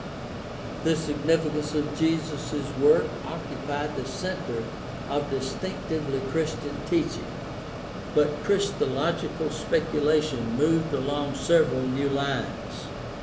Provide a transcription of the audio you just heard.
The significance of Jesus' work occupied the center of distinctively Christian teaching, but christological specula tion moved along several new lines.